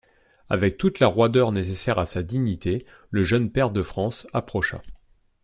Avec toute la roideur nécessaire à sa dignité, le jeune pair de France approcha.